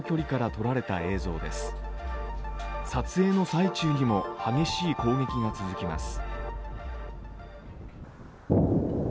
撮影の最中にも激しい攻撃が続きます。